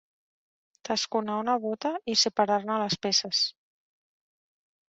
Tasconar una bota i separar-ne les peces.